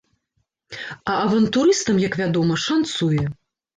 А авантурыстам, як вядома, шанцуе.